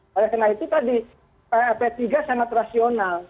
pertama itu tadi p tiga sangat rasional